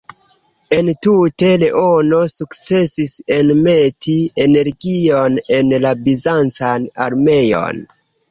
Entute, Leono sukcesis enmeti energion en la bizancan armeon.